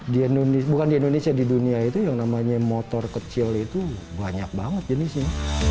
di indonesia bukan di indonesia di dunia itu yang namanya motor kecil itu banyak banget jenisnya